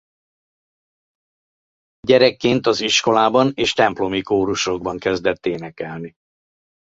Gyerekként az iskolában és templomi kórusokban kezdett énekelni.